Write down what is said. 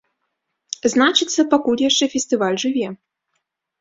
Значыцца, пакуль яшчэ фестываль жыве!